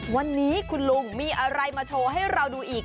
วันนี้คุณลุงมีอะไรมาโชว์ให้เราดูอีก